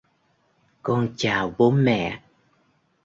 con chào bố mẹ